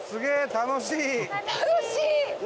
楽しい！